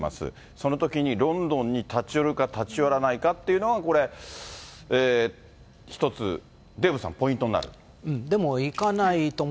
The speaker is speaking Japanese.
そのときに、ロンドンに立ち寄るか、立ち寄らないかというのはこれ、一つ、デーブさん、ポイントでも、行かないと思う。